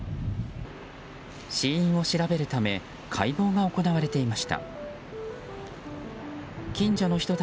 死因を調べるため解剖が行われていました。